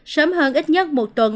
sớm hơn ít nhất một tuần